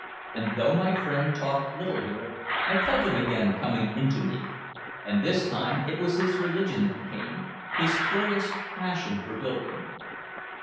And though my friend talked little here, I felt him again coming into me. And this time it was his religion that came, his curious passion for building.